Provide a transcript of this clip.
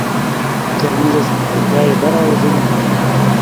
کرنیزه سمسورتیا یې بره او زېږنده ده.